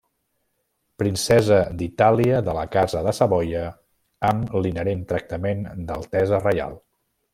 Princesa d'Itàlia de la Casa de Savoia amb l'inherent tractament d'altesa reial.